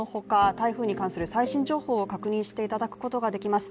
台風に関する最新情報を確認していただくことができます。